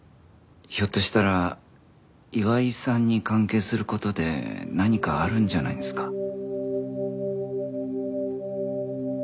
ひょっとしたら岩井さんに関係する事で何かあるんじゃないんですか？